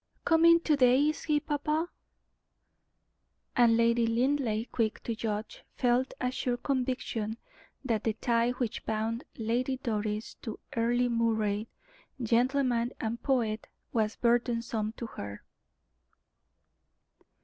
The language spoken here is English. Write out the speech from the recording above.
"Coming to day, is he, papa?" And Lady Linleigh, quick to judge, felt a sure conviction that the tie which bound Lady Doris to Earle Moray, gentleman and poet, was burdensome to her.